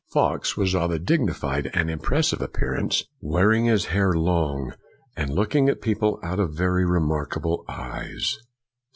Fox was of a dignified and impressive appearance, wear ing his hair long, and looking at people out of very remarkable eyes.